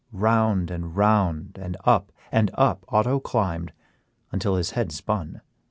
Round and round and up and up Otto climbed, until his head spun.